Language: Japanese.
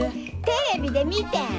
テレビで見てん！